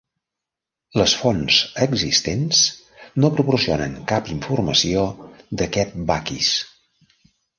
Les fonts existents no proporcionen cap informació d'aquest Bakis.